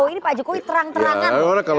ini pak jokowi terang terangan